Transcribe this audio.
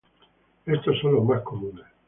Estos son los más comunes.